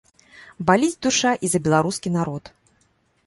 Баліць душа і за беларускі народ.